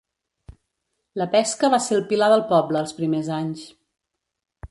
La pesca va ser el pilar del poble els primers anys.